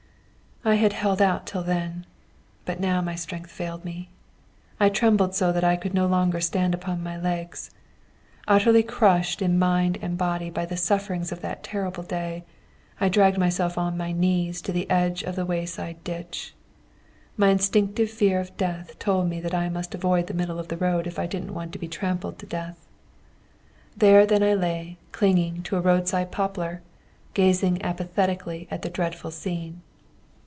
"I had held out till then, but now my strength failed me. I trembled so that I could no longer stand upon my legs. Utterly crushed in mind and body by the sufferings of that terrible day, I dragged myself on my knees to the edge of the wayside ditch. My instinctive fear of death told me that I must avoid the middle of the road if I didn't want to be trampled to death. There then I lay clinging to a roadside poplar, gazing apathetically at the dreadful scene.